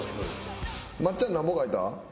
松ちゃんなんぼ書いた？